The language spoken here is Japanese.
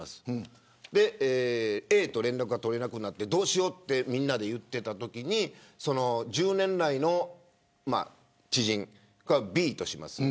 Ａと連絡が取れなくなってどうしようとみんなで言っていたときに１０年来の知人、これをＢとします。